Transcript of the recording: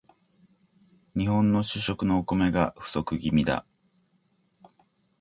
日本の主食のお米が不足気味だ